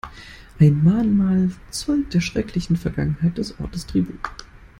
Ein Mahnmal zollt der schrecklichen Vergangenheit des Ortes Tribut.